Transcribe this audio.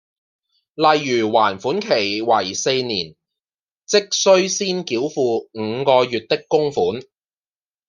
例如還款期為四年，即需先繳付五個月的供款